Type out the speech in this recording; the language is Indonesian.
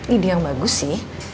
ide yang bagus sih